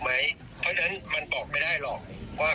เพราะฉะนั้นมันบอกไม่ได้หรอกว่า